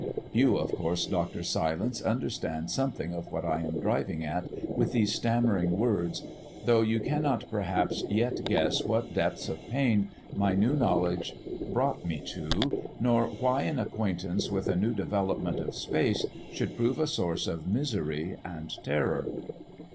"You, of course, Dr. Silence, understand something of what I am driving at with these stammering words, though you cannot perhaps yet guess what depths of pain my new knowledge brought me to, nor why an acquaintance with a new development of space should prove a source of misery and terror."